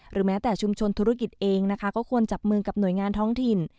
แม้แต่ชุมชนธุรกิจเองนะคะก็ควรจับมือกับหน่วยงานท้องถิ่น